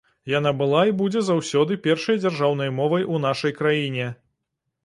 Яна была і будзе заўсёды першай дзяржаўнай мовай у нашай краіне.